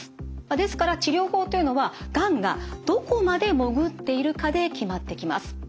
ですから治療法というのはがんがどこまで潜っているかで決まってきます。